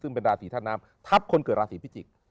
ซึ่งเป็นราศรีทัศน้ำทัศน์คนเกิดราศรีพิจิกต์